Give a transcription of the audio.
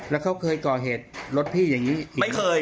แล้วเขาเคยก่อเหตุรถพี่อย่างนี้ไม่เคย